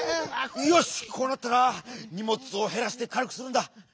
よしこうなったらにもつをへらしてかるくするんだ！